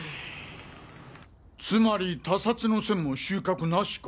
つまり他殺の線も収穫なしか。